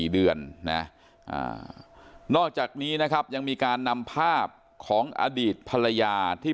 เดือนนะนอกจากนี้นะครับยังมีการนำภาพของอดีตภรรยาที่